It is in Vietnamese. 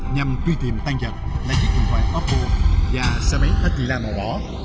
nhằm tuy tìm tan vật là chiếc điện thoại oppo và xe máy attila màu bỏ